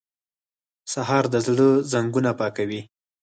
سهار د زړه زنګونه پاکوي.